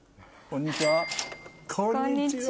こんにちは。